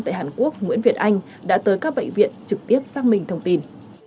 tại hàn quốc nguyễn việt anh đã tới các bệnh viện trực tiếp xác minh thông tin